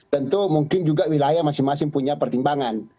tentu mungkin juga wilayah masing masing punya pertimbangan